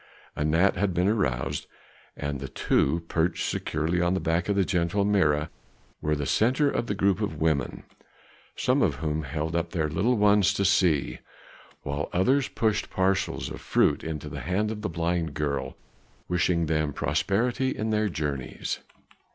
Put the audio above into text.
Anat had been aroused, and the two, perched securely on the back of the gentle Mirah, were the centre of a group of women, some of whom held up their little ones to see, while others pushed parcels of fruit into the hand of the blind girl, wishing them prosperity in their journeyings.